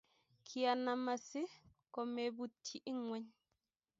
Kianam asi komeputyi ing'weny.